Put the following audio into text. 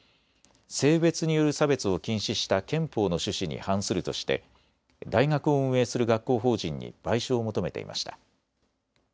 性別による差別を禁止した憲法の趣旨に反するとして大学を運営する学校法人に賠償を求めていました。